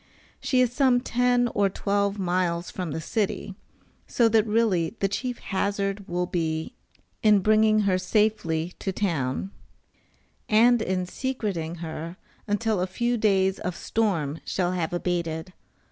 She is some ten or twelve miles from the city, so that really the chief hazard will be in bringing her safely to town, and in secreting her until a few days of storm shall have abated.